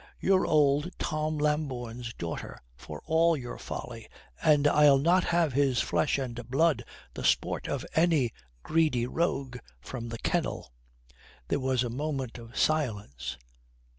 You're old Tom Lambourne's daughter for all your folly, and I'll not have his flesh and blood the sport of any greedy rogue from the kennel." There was a moment of silence.